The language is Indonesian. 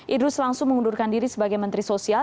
idrus langsung mengundurkan diri sebagai menteri sosial